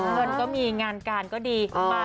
เงินก็มีงานการก็ดี